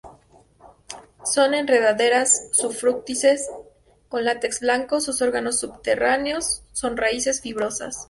Son enredaderas sufrútices con látex blanco, sus órganos subterráneos son raíces fibrosas.